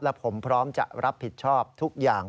และผมพร้อมจะรับผิดชอบทุกอย่าง